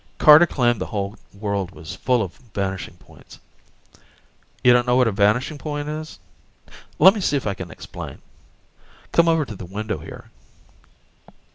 Carter claimed the whole world was full of vanishing points. You don't know what a vanishing point is? Lemme see if I can explain. Come over to the window here.